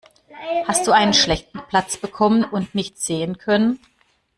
Hast du einen schlechten Platz bekommen und nichts sehen können?